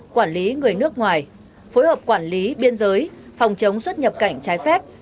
quản lý người nước ngoài phối hợp quản lý biên giới phòng chống xuất nhập cảnh trái phép